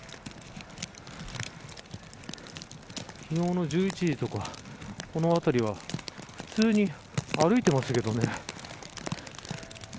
昨日の１１時とか、この辺りは普通に歩いていましたけどね。